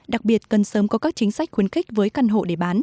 đặc biệt cần sớm có các chính sách khuyến khích với căn hộ để bán